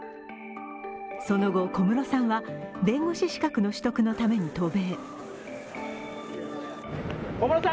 その後、小室さんは弁護士資格の取得のために渡米。